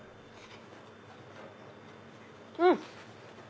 うん！